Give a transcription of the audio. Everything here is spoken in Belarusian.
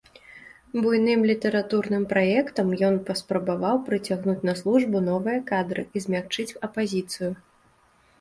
Буйным літаратурным праектам ён паспрабаваў прыцягнуць на службу новыя кадры і змякчыць апазіцыю.